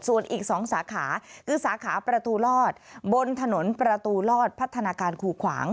ส่วนอีก๒สาขาคือสาขาประตูลอดบนถนนประตูลอดพัฒนาการคูขวาง